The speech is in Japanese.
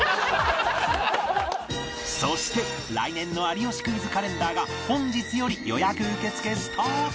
そして来年の『有吉クイズ』カレンダーが本日より予約受付スタート